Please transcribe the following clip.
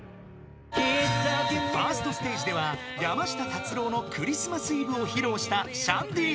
［ファーストステージでは山下達郎の『クリスマス・イブ』を披露した］